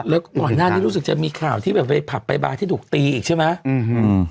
แล้วก่อนหน้านี้รู้สึกจะมีข่าวที่แบบไปผับไปบายที่ถูกตีอีกใช่ไหมอืม